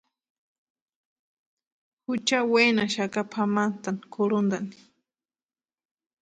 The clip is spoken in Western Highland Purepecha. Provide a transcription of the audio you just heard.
Jucha wenaxaka pʼamantani kʼurhuntani.